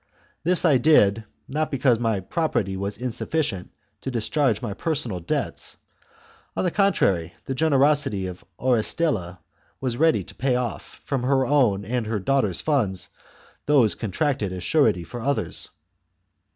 This I did, not because my property was insufficient to discharge my personal debts ; on 30 THE CONSPIRACY OF CATILINE. XXXV. ^^^ contrary, the generosity of Orestilla was ready to pay off, from her own and her daughter's funds, those contracted as surety for others.